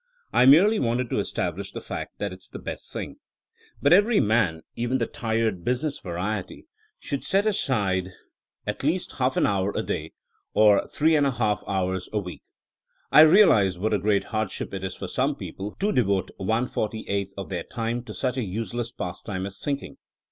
I merely wanted to establish the fact that it's the best thing. But every man, even the tired business variety, should set aside 98 THINEINO AS A SOIENOE at least half an hour a day, or three and a half hours a week. I realize what a great hardship it is for some people to devote one forty eighth of their time to such a useless pastime as think ing.